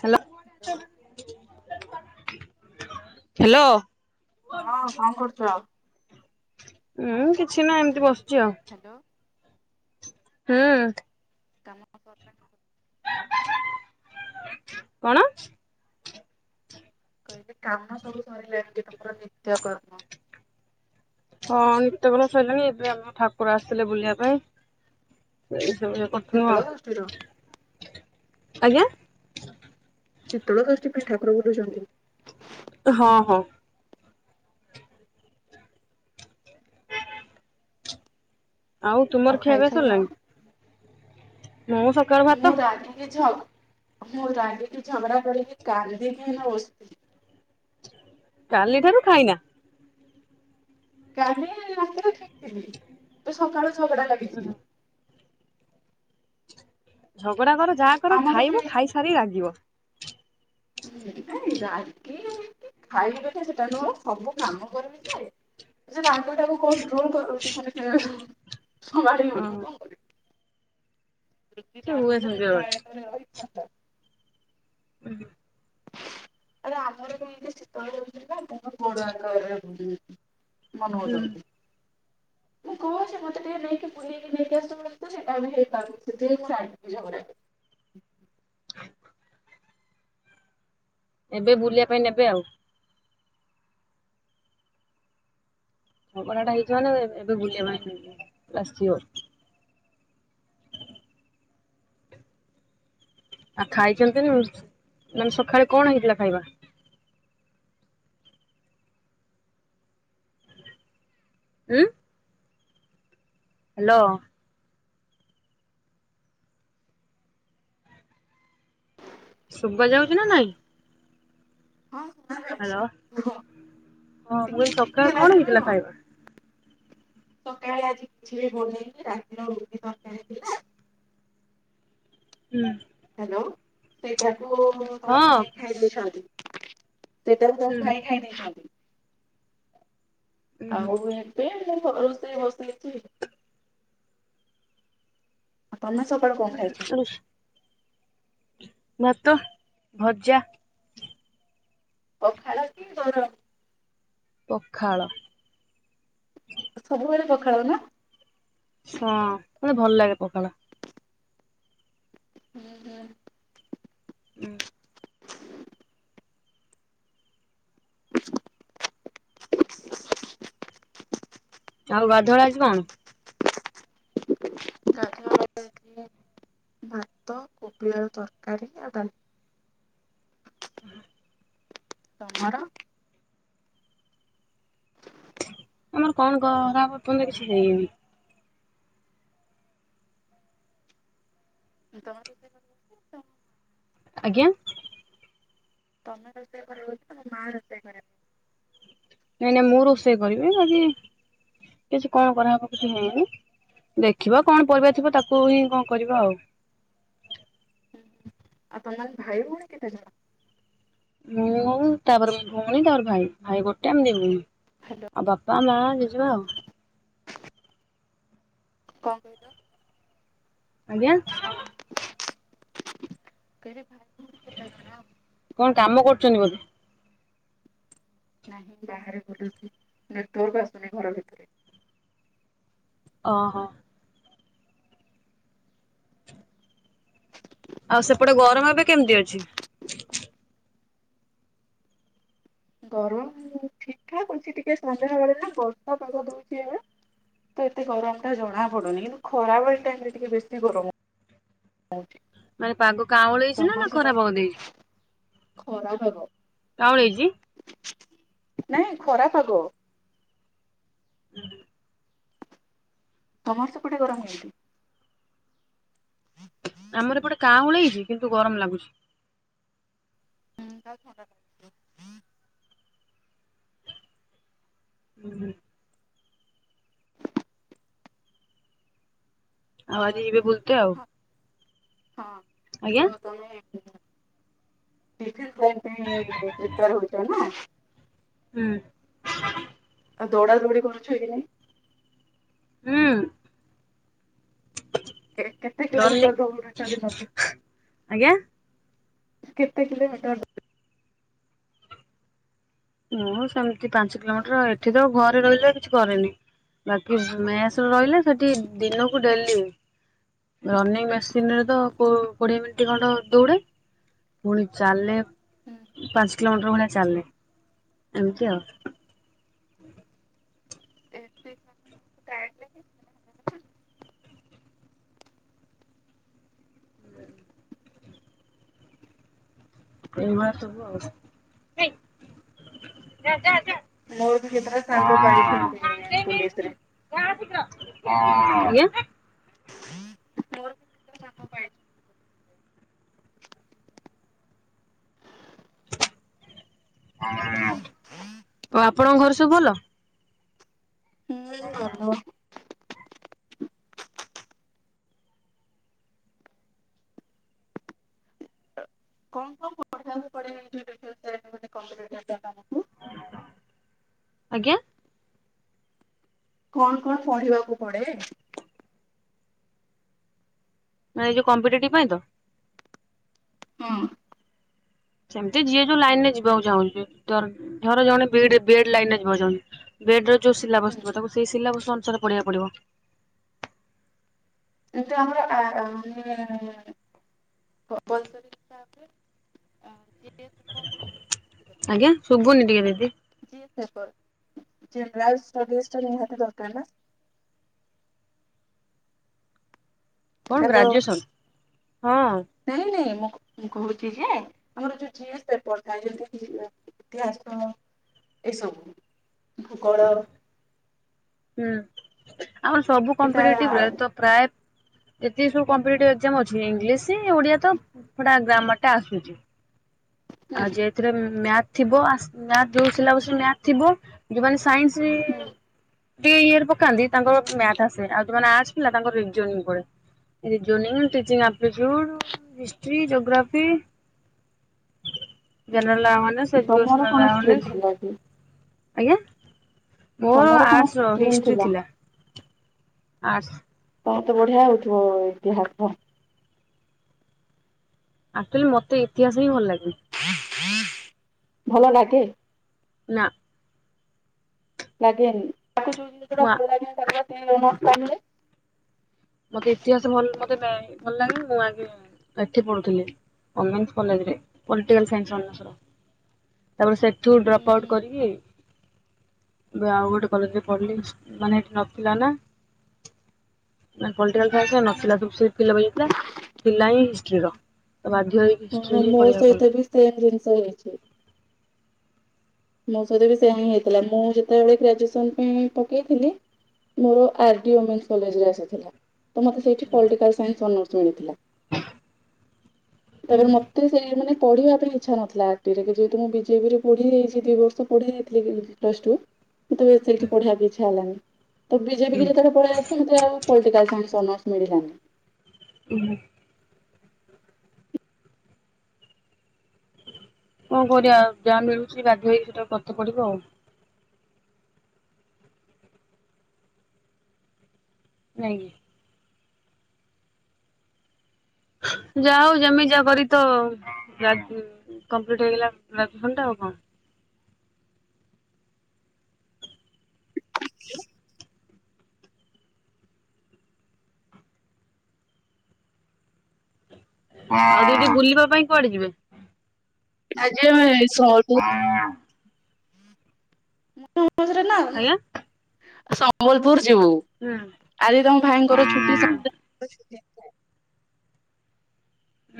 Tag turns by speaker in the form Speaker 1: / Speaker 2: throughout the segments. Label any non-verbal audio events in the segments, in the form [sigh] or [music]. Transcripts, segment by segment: Speaker 1: Hello
Speaker 2: hello.
Speaker 1: Hello.
Speaker 2: ହଁ କଣ କରୁଛ?
Speaker 1: ଉୁଁ କିଛି ନା ଏମିତି ବସିଛି ଆଉ।
Speaker 2: ହ୍ୟାଲୋ। ଆଉ
Speaker 1: ହୁଁ।
Speaker 2: କାମ ପ [inaudible]
Speaker 1: କଣ?
Speaker 2: କହିଲେ କାମ ସବୁ ସରିଲାଣି ଯେ ତମର ନିତ୍ୟ କର୍ମ
Speaker 1: ହଁ ନିତ୍ୟକନ ସରିଲାଣି ଏବେ ଆମ ଠାକୁର ଆସିଥିଲେ ବୁଲିବା ପାଇଁ। ସେଇ ସବୁ ଜାକ
Speaker 2: ସେତେବେଳେ ଗୋଷ୍ଠୀର
Speaker 1: ଆଜ୍ଞା।
Speaker 2: ଶୀତଳ ଷଷ୍ଠୀ ପାଇଁ ଠାକୁର ବୁଲୁଛନ୍ତି।
Speaker 1: ହଁ ହଁ। ଆଉ ତୁମର
Speaker 2: ଖାଇଛ
Speaker 1: ଖିଆପିଆ
Speaker 2: କଣ?
Speaker 1: ସରିଲାଣି? ମୁଁ ଶ
Speaker 2: ମୁଁ ରାଗିକି ଝ ମୁଁ ରାଗିକି ଝଗଡ଼ା କରିକି କାନ୍ଦିକି ଓସ
Speaker 1: କାଲି ଠାରୁ ଖାଇନା?
Speaker 2: କାଲି ରାତିରେ ଠିକ ଥିଲି ଏ ସକାଳୁ ଝଗଡ଼ା ଲାଗିଚି।
Speaker 1: ଝଗଡା କର ଯାହା କର
Speaker 2: ଆମର ବି
Speaker 1: ଖାଇବ ଖାଇସାରି ଲାଗିବ।
Speaker 2: ନାଇଁ ରାଗି କି ଖାଇବୁ ଯଦି ସେଟା ନୁହଁ ସବୁ କାମ କରିବୁ ଯେ ରାଗଟାକୁ କଣ୍ଟ୍ରୋଲ କରନ୍ତୁ
Speaker 1: ଓହୋ
Speaker 2: [unintelligible]
Speaker 1: ସେ
Speaker 2: ଆ
Speaker 1: ହୁଏ ସେମିତି
Speaker 2: ଦେ
Speaker 1: ବେଳେ
Speaker 2: ଆ [unintelligible]
Speaker 1: ଉ ହୁଁ।
Speaker 2: ଆରେ ଆମର ବିତି ଶୀତ ରହୁ ନା ଆଙ୍କ ବୋଡ ଆରେରେ ରହୁ ମନ ହଉ [unintelligible] ମୁଁ କହୁଛି ମତେ ଟିକେ ନେଇକି ବୁଲେଇକି ନେଇକି ଆସୁୁ ସେଇଟା ଆ ହେଇପାରୁୁ ସେଥିଁ ଝଗଡା [unintelligible]
Speaker 1: ଏବେ ବୁଲିବା ପାଇଁ ନେବେ ଆଉ। ଝଗଡ଼ା ଟା ହେଇଛି ମାନେ ଏବେ ବୁଲିବା ପାଇଁ ନେବେ ପୂରା ସୂର୍। ଆଉ ଖାଇଛନ୍ତି ଉ ମାନେ ସକାଳେ କଣ ହେଇଥିଲା ଖାଇବା? ଉଁ। ହ୍ୟାଲୋ। ଶୁଭ ଯାଉଛି ନା ନାଇଁ?
Speaker 2: ହଁ ସୁବା ଯା
Speaker 1: ହ୍ୟାଲୋ ହଁ ମୁଁ
Speaker 2: ଟିକେ
Speaker 1: କହିଲି
Speaker 2: ଟିକେ
Speaker 1: ସକାଳେ
Speaker 2: ଲାଗି
Speaker 1: କଣ ହେଥିଲା
Speaker 2: ରହିବ।
Speaker 1: ଖାଇବା?
Speaker 2: ସକାଳେ ଆଜି କିଛି ବି ବନେଇନି ରାତିର ରୁଟି ତରକାରୀ ଥିଲା।
Speaker 1: ହୁଁ।
Speaker 2: ହ୍ୟାଲୋ ସେଇଟାକୁ ମୁଁ ତମ
Speaker 1: ହଁ
Speaker 2: ଭାଇ ଖାଇଦେଇଛନ୍ତି। ସେଟାକୁ
Speaker 1: ହୁଁ
Speaker 2: ତମ ଭାଇ ଖାଇଦେଇଛନ୍ତି।
Speaker 1: ହୁଁ
Speaker 2: ଆଉ ଏବେ ରୋଷେଇ ବସେଇଛି। ତମେ ସକାଳୁ କଣ ଖାଇଛ
Speaker 1: [unintelligible] ଭାତ ଭଜା
Speaker 2: ପଖାଳ କି ଗରମ୍?
Speaker 1: ପଖାଳ।
Speaker 2: ସବୁବେଳେ ପଖାଳ ନା?
Speaker 1: ହ ମତେ ଭଲ ଲାଗେ ପଖାଳା।
Speaker 2: ହୁଁ ହୁଁ।
Speaker 1: ଉୁ। ଆଉ ଗାଧଆଳା ଆଜି କଣ?
Speaker 2: [unintelligible] ଭାତ କୋବି ଆଳୁ ତରକାରୀ ଆଉ ଡାଲି।
Speaker 1: ଉଁ ହୁଁ।
Speaker 2: ତମର?
Speaker 1: ଆମର କଣ କରରାବ ତର କିଛି ହେଇନି [unintelligible]
Speaker 2: [unintelligible]
Speaker 1: ଆଜ୍ଞା?
Speaker 2: ତମେ ରୋଷେଇ କରିବ କି ନା ମା ରୋଷେଇ କରିବ?
Speaker 1: ନାଇଁ ନାଇଁ ମୁଁ ରୋଷେଇ କରିବି ଆଜି କିଛି କଣ କରାହେବ କିଛି ହେଇନି। ଦେଖିବା କଣ ପରିବା ଥିବ ତାକୁ ହିଁ କଣ କରିବା ଆଉ।
Speaker 2: ଆଉ ତମେ ମାନେ ଭାଇ ଭଉଣୀ କେତେ ଜଣ?
Speaker 1: ମୁଁ ତାପରେ ଭଉଣୀ ତା ପର ଭାଇ, ଭାଇ ଗୋଟେ ଆମେ ଦିଭଉଣି।
Speaker 2: ହ୍ୟାଲୋ
Speaker 1: ଆଉ ବାପା ମା ଜେଜେମା ଆଉ।
Speaker 2: କଅଁ?
Speaker 1: ଆଜ୍ଞା।
Speaker 2: [inaudible]
Speaker 1: କଣ କାମ କରୁଛନ୍ତି?
Speaker 2: ନାହିଁ ବାହାରେ ବୁଲୁଛି ନେଟୱାର୍କ ଆସୁନି ଘର ଭିତରେ।
Speaker 1: ଅହ। ଆଉ ସେପଟେ ଗରମ ଏବେ କେମିତି ଅଛି?
Speaker 2: ଗରମ ଠିକ୍ ଠାକ୍ ଅଛି ଟିକେ ସନ୍ଧ୍ୟାବେେଳେ ନା ବର୍ଷା ପାଗ ଦଉଛି ଏ ତ ଏତେ ଗରମ ଟା ଜଣା ପଡୁନି କିନ୍ତୁ ଖରାବେଳି ଟାଇମ ରେ ଟିକେ ବେଶୀ ଗରମ ହଉଛି।
Speaker 1: ମାନେ ପାଗ କାଉଁଳେଇଛି ନା
Speaker 2: ତମର
Speaker 1: ନା ଖରା
Speaker 2: ସେପଟେ
Speaker 1: ପାଗ ଦେଇଛି?
Speaker 2: ଖରା ପାଗ।
Speaker 1: କାଉଁଳେଇଚି?
Speaker 2: ନାଇଁ ଖରା ପାଗ।
Speaker 1: [inaudible]
Speaker 2: ତମର ସେପଟେ ଗରମ କେମିତି? [inaudible]
Speaker 1: ଆମର ଏପଟେ କାଉଁଳେଇଛି କିନ୍ତୁ ଗରମ ଲାଗୁଛି।
Speaker 2: [unintelligible]
Speaker 1: ହୁଁ ହୁଁ। ଆଉ ଆଜି ଏବେ ବୁଲତେ ଆଉ।
Speaker 2: ହଁ
Speaker 1: ଆଜ୍ଞା
Speaker 2: ତ ତମେ [unintelligible] ହଉଛ ନା
Speaker 1: ହୁଁ।
Speaker 2: ଆଉ ଦୌଡ଼ା ଦୌଡି କରୁଛ କି ନାଇଁ?
Speaker 1: ହୁଁ।
Speaker 2: କେତେ
Speaker 1: ରନି
Speaker 2: କିଲୋମିଟର ଦଉଡୁଛନ୍ତି ସବୁ?
Speaker 1: ଆଜ୍ଞା
Speaker 2: କେତେ କିିଲୋମିଟର ଦୋ
Speaker 1: ମୁଁ ସେମିତି ପାଞ୍ଚ କିଲୋମିଟର ଏଠି ତ ଆଉ ଘରେ ରହିଲେ କିଛି କରେନି। ବାକି ମେସ୍ ରେ ରହିଲେ ସେଠି ଦିନକୁ ଡେଲି। ରନିଂ ମେସିନ୍ ରେ ତ କୋ କୋଡ଼ିଏ ମିନିଟ୍ ଖଣ୍ଡେ ଦୌଡ଼େ। ପୁଣି ଚାଲେ ପାଞ୍ଚ କିଲୋମିଟର ଭଳିଆ ଚାଲେ ଏମିତି ଆଉ।
Speaker 2: [unintelligible]
Speaker 1: [unintelligible]
Speaker 2: ମୋର ବି କେତଟା ସାଙ୍ଗ ପାଇଛନ୍ତି ପୋଲିସ ରେ।
Speaker 1: [unintelligible]
Speaker 2: [unintelligible]
Speaker 1: ଆଉ ଆପଣଙ୍କ ଘରେ ସବୁ ଭଲ?
Speaker 2: ହୁଁ [unintelligible] [unintelligible]
Speaker 1: ଆଜ୍ଞା।
Speaker 2: କଣ କଣ ପଢିବାକୁ ପଡେ?
Speaker 1: ନାଇଁ ଏଇ ଯଉ କମ୍ପିଟେଟିଭ୍ ପାଇଁ ତ?
Speaker 2: ହଁ
Speaker 1: ସେମିତି ଯିଏ ଯୋଉ ଲାଇନ୍ ରେ ଯିବାକୁ ଚାହୁଁଛି ଧର ଧର ଜଣେ ବିଡି ବିଏଡ୍ ଲାଇନ ରେ ଯିବାକୁ ଚାହୁଁଛି। ବେଡ୍ ର ଯୋଉ ସିଲାବସ୍ ଥିବ ତାକୁ ସେଇ ସିଲାବସ୍ ଅନୁସାରେ ପଢିବାକୁ ପଡିବ।
Speaker 2: ଏନ୍ତୁ ଆମାର [unintelligible] [inaudible]
Speaker 1: ଆଜ୍ଞା ଶୁଭୁନି ଟିକେ ଦିଦି।
Speaker 2: ଜ ସେପର ଜେନରାଲ ଷ୍ଟଡିଜ୍ ତା ନିହାତି ଦରକାର ନା।
Speaker 1: କଣ
Speaker 2: ହ୍ୟାଲୋ
Speaker 1: ଗ୍ରାଜୁଏସନ୍ ହଁ।
Speaker 2: ନାଇଁ ନାଇଁ ମୁଁ ମୁଁ କହୁଛି ଯେ ଆମର ଯୋଉ ଝିଏ ସେପଥା ହେଇ ଇତିହାସ ଏସବୁ ଭୂଗୋଳ।
Speaker 1: ହୁଁ ଆମର ସବୁ
Speaker 2: ଏଟା
Speaker 1: କମ୍ପିଟେଟିଭରେ ତ ପ୍ରାୟ ଏତିକି ସବୁ କମ୍ପିଟ ଏକ୍ଜାମ ଅଛି ଇଂଲିଶ ଓଡିଆ ତ ପଡା ଗ୍ରାମର ଟା ଆସୁଚି।
Speaker 2: ହୁଁ
Speaker 1: ଆଉ ଯେ ଥିରେ ମ୍ୟାଥ ଥିବ ଯୋଉ ଥିବ ଯୋଉମାନେ ସାଇନ୍ସ ରେ
Speaker 2: ହୁଁ
Speaker 1: ଟିକେ ଇଏରେ ପକାନ୍ତି ତାଙ୍କର ମ୍ୟାଥ ଆସେନି ଆଉଜଉ ମାନେ ଆର୍ଟ୍ସ ପିଲା ତାଙ୍କର ପଡ ରିଜନଚିଂ [unintelligible] ଆପଟିଚୁଡ ହିଷ୍ଟଷ୍ଟ୍ରି ଜୋଗ୍ରାଫି।
Speaker 2: ହୁଁ ତମର କଣ ଷ୍ଟ୍ରିମ୍ ଥିଲା କି
Speaker 1: [unintelligible] ଆଜ୍ଞା ମୋର
Speaker 2: ତମର କଣ
Speaker 1: ଆର୍ଟସ ର
Speaker 2: ଷ୍ଟ୍ରିମ୍
Speaker 1: ହିଷ୍ଟ୍ରି ଥିଲା। ଆଟ୍ସ।
Speaker 2: ତମେର ତ ବଢିଆ ହଉଥିବ ଇତିହାସ।
Speaker 1: ଆକ୍ଚୁଲି ମତେ ଇତିହାସ ହିଁ ଭଲ ଲାଗେ।
Speaker 2: ଭଲ ଲାଗେ?
Speaker 1: ନା। ମୁଁ ଆ
Speaker 2: [unintelligible]
Speaker 1: ମତେ ଇତିହାସ ଭଲ ମତେ ଭଲ ଲାଗେନି ମୁଁ ଆଗେ ଏଠି ପଢୁଥିଲି ଓମେନ୍ସ କଲେଜ ରେ ପାଲଟିକାଲ ସାଇନ୍ସ ଅନର୍ସ। ତାପରେ ସେଠୁ
Speaker 2: ହୁଁ
Speaker 1: ଡ୍ରପ୍ ଆଉଟ
Speaker 2: ହୁଁ।
Speaker 1: କରିକି ଏବେ ଆଉ ଗୋଟେ କଲେଜରେ ପଢ଼ିଲି ମାନେ ଏଠି ନଥିଲା ନା। ନା ପଲିଟିକାଲନ୍ସ ନଥିଲା ସବୁ ପିଲାଇଥିଲା ପିଲା ହିଁ ହିଷ୍ଟ୍ରିର ତ ବାଧ୍ୟ ହେଇକି
Speaker 2: ଓ
Speaker 1: ହିଷ୍ଟ୍ରି
Speaker 2: ହଁ
Speaker 1: ହିଁ
Speaker 2: ମୋ
Speaker 1: ପଢିବାକୁ ପଡିଲା।
Speaker 2: ସହିତ ବି ସେମ ଜିନିଷ ହେଇଛି। ମୋ ସହିତ ବି ସେୟା ହିଁ ହେଇଥିଲା ମୁଁ ଯେତେବେଳେ ଗ୍ରାଜୁଏସନ ପାଇଁ ପକେଇଥିଲି। ମୋର ଆର ଡି ଓମେନ୍ସ କଲେଜରେ ଆସିଥିଲା। ତ ମତେ ସେଇଠି ପଲିଟିକାଲ ସାଇନ୍ସ ଅନର୍ସ ମିଳିଥିଲା
Speaker 1: ହୁଁ।
Speaker 2: ତେ ସେ ମାନେ ପଢିବା ପାଇଁ ଇଛା ନଥିଲା ଆର୍ ଡି ଯେହେତୁ ମୁଁ ବିଜେପିରେ ପଢିଯାଇଛି ଦିଇ ବର୍ଷ ପଢି ଯାଇଥିଲ ପ୍ଲସ ଟୁ ତେବେ ସେଇଠି ପଢେଇବାକୁ ଇଚ୍ଛା ହେଲାନି। ତ ବିଜେପିକୁ
Speaker 1: ହୁଁ
Speaker 2: ଯେତେବେଳେ ପଳେଇ ଆସିଲି ମୋତେ ଆଉ ମତେ ପଲିଟିକାଲ ସାଇନ୍ସ ଅନର୍ସ ମିଳିଲାନି
Speaker 1: [inaudible] କଣ କରିବା ଯାହା ମିଳୁଛି ବାଧ୍ୟ ହେଇ ସେଟା ପାଠ ପଢ଼ିବ ଆଉ। ନାଇଁ କି। [unintelligible] [unintelligible] ଆଉ ଦିଦି ବୁଲିବା ପାଇଁ କୁଆଡେ ଯିବେ?
Speaker 2: [unintelligible] [unintelligible] ନା
Speaker 1: ଆଜ୍ଞା
Speaker 2: ସମ୍ବଲପୁର ଯିବୁ।
Speaker 1: ହୁଁ
Speaker 2: ଆଜି ତମ ଭାଇଙ୍କର ଛୁଟି।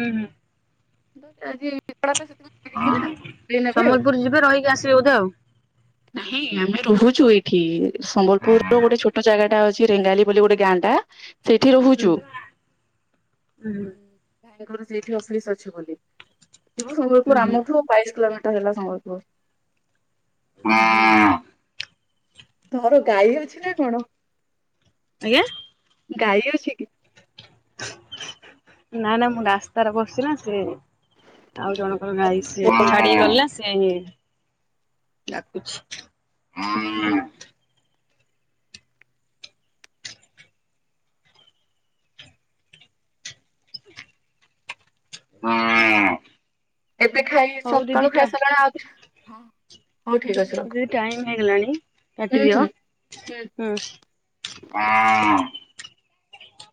Speaker 1: ହୁଁ, ହୁଁ।
Speaker 2: [unintelligible]
Speaker 1: ହଁ
Speaker 2: ସେ ନେବେ ଆଉ।
Speaker 1: ସମ୍ବଲପୁର ଯିବେ ରହିକି ଆସିବେ ବୋଧେ ଆଉ?
Speaker 2: ନାଇଁ ଆମେ ରହୁଚୁ ଏଇଠି ସମ୍ବଲପୁର ରୁ ଗୋଟେ ଛୋଟ ଜାଗା ଟା ଅଛି ରେଙ୍ଗାଲି ବୋଲି ଗୋଟେ ଗାଁ ଟା। ସେଇଠି
Speaker 1: ହୁଁ
Speaker 2: ରହୁଚୁ।
Speaker 1: ହୁଁ
Speaker 2: ଭାଇଙ୍କର ସେଇଠି ଅଫିସ ଅଛି ବୋଲି ଯିବୁ
Speaker 1: ହୁଁ
Speaker 2: ସମ୍ବଲପୁର
Speaker 1: ହୁଁ।
Speaker 2: ଆମଠୁ। ବାଇଶ କିଲୋମିଟର ହେଲା ସମ୍ବଲପୁର।
Speaker 1: [unintelligible]
Speaker 2: ତୋର ଗାଈ ଅଛି ନା କଣ?
Speaker 1: ଆଜ୍ଞା।
Speaker 2: ଗାଈ ଅଛି କି?
Speaker 1: ନା ନା ମୁଁ ରାସ୍ତାରେ ବସି ନା ସିଏ ଆଉ ଜଣ
Speaker 2: ହୁଁ
Speaker 1: ଗଈ ସେ ଛାଡି ଗଲା ସେ ଡାକୁଚି।
Speaker 2: ହଁ ହଁ।
Speaker 1: [unintelligible]
Speaker 2: ଏବେ ଖାଇ
Speaker 1: ହଉ ଦିଦି
Speaker 2: ସକାଳୁ
Speaker 1: ଟା
Speaker 2: ଖାଇ ସାରିଲଣି ଆଉ ହଉ ଠିକ୍ ଅଛି ରଖ।
Speaker 1: ଟାଇମ୍ ହେଇଗଲାଣି
Speaker 2: ହୁଁ ହୁଁ
Speaker 1: କାଟିଦିଅ
Speaker 2: ହୁଁ।
Speaker 1: ହୁଁ।